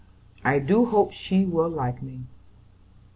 I do hope she will like me."